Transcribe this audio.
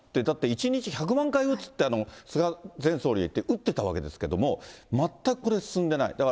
だって１日１００万回打つって菅前総理言って、打ってたわけですけれども、全くこれ、進んでない。